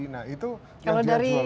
nah itu yang dia jual beliau